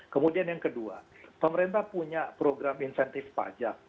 kemudian yang kedua pemerintah punya program insentif pajak